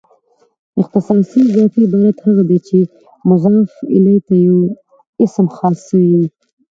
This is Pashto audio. اختصاصي اضافي عبارت هغه دئ، چي مضاف الیه ته یو اسم خاص سوی يي.